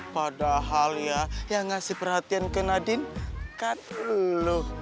padahal ya yang ngasih perhatian ke nadine kan loh